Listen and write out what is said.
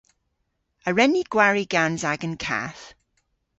A wren ni gwari gans agan kath?